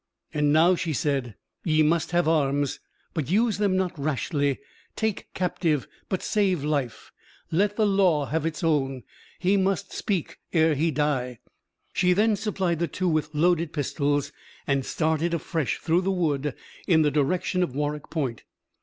"And now," she said, "ye must have arms; but use them not rashly; take captive, but save life; let the law have its own he must speak ere he die." She then supplied the two with loaded pistols, and started afresh through the wood in the direction of Warroch Point.